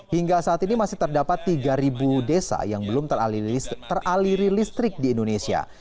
hingga saat ini masih terdapat tiga desa yang belum teraliri listrik di indonesia